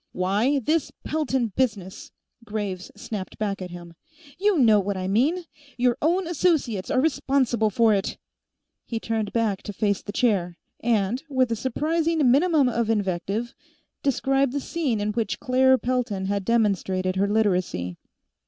"Why, this Pelton business," Graves snapped back at him. "You know what I mean. Your own associates are responsible for it!" He turned back to face the chair, and, with a surprising minimum of invective, described the scene in which Claire Pelton had demonstrated her Literacy.